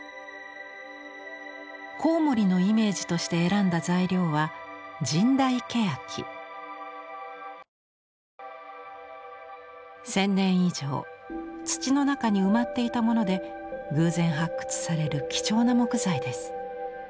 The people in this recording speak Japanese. コウモリのイメージとして選んだ材料は１，０００年以上土の中に埋まっていたもので偶然発掘される貴重な木材です。